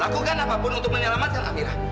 lakukan apapun untuk menyelamatkan amirah